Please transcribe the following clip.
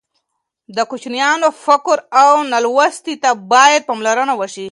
د کوچیانو فقر او نالوستي ته باید پاملرنه وشي.